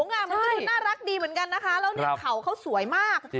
มันคือน่ารักดีเหมือนกันนะคะแล้วเขาเขาสวยมาก